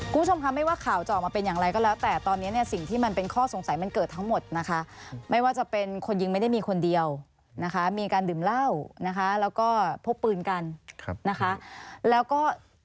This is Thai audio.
คุณผู้ชมค่ะไม่ว่าข่าวจะออกมาเป็นอย่างไรก็แล้วแต่ตอนนี้เนี่ยสิ่งที่มันเป็นข้อสงสัยมันเกิดทั้งหมดนะคะไม่ว่าจะเป็นคนยิงไม่ได้มีคนเดียวนะคะมีการดื่มเหล้านะคะแล้วก็พกปืนกันนะคะแล้วก็